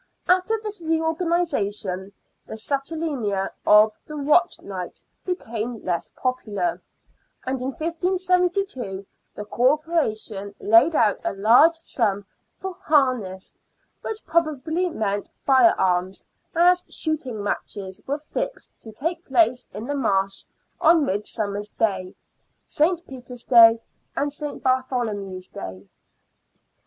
After this reorganisation the saturnalia of the Watch Nights became less popular ; and in 1572 the Corporation laid out a large sum for " harness," which probably meant fire arms, as shooting matches were fixed to take place in the Marsh on Midsummer Day, St. Peter's Day and St. Bartholomew's Day.